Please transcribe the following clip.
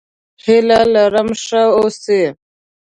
هيله لرم ښه اوسې!